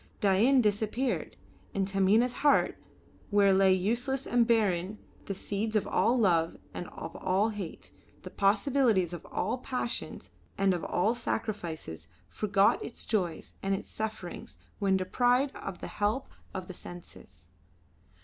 Dain disappeared, and Taminah's heart, where lay useless and barren the seeds of all love and of all hate, the possibilities of all passions and of all sacrifices, forgot its joys and its sufferings when deprived of the help of the senses.